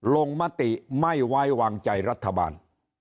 มติไม่ไว้วางใจรัฐบาล